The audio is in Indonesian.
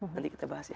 nanti kita bahas ya